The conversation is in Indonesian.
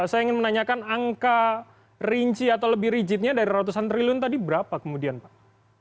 saya ingin menanyakan angka rinci atau lebih rigidnya dari ratusan triliun tadi berapa kemudian pak